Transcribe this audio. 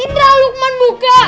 idra lukman buka